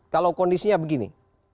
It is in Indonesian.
kalau kondisinya begini